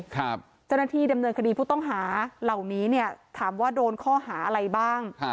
เจ้าหน้าที่ดำเนินคดีผู้ต้องหาเหล่านี้เนี่ยถามว่าโดนข้อหาอะไรบ้าง